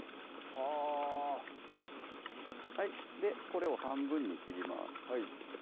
はぁこれを半分に切ります